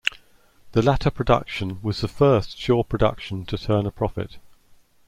The latter production was the first Shaw production to turn a profit.